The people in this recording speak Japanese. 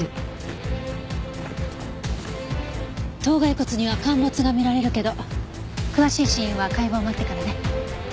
頭蓋骨には陥没が見られるけど詳しい死因は解剖を待ってからね。